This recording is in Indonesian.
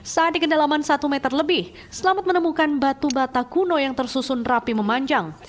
saat di kedalaman satu meter lebih selamat menemukan batu bata kuno yang tersusun rapi memanjang